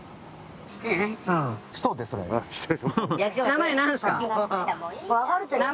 ・名前何すか？